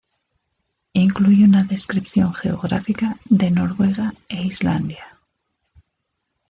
Incluye una descripción geográfica de Noruega e Islandia.